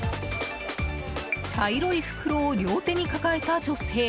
茶色い袋を両手に抱えた女性。